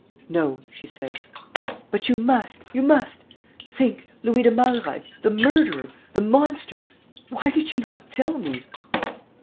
..." "No," she said. "But you must, you must. ... Think! Louis de Malreich! The murderer! The monster! ... Why did you not tell me?"